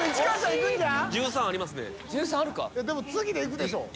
でも次でいくでしょう？